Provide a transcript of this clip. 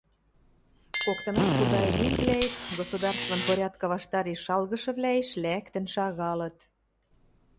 Коктынат худа эдемвлӓэт, государствын порядкы ваштареш шалгышывлӓэш лӓктӹн шагалыт.